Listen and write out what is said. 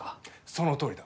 そのとおりだ！